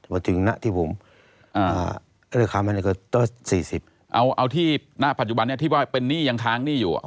วันถึงหน้าที่ผมอ่าอ่าราคามันก็เติบสี่สิบเอาเอาที่หน้าปัจจุบันนี้ที่ว่าเป็นหนี้ยังค้างหนี้อยู่